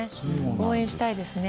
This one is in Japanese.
応援したいですね。